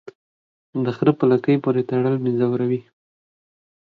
د خره په لکۍ پوري تړل مې زوروي.